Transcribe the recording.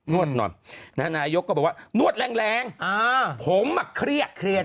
วดหน่อยนายกก็บอกว่านวดแรงแรงอ่าผมอ่ะเครียดเครียด